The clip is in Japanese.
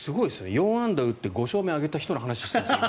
４安打打って５勝目を挙げた人の話をしていますよ。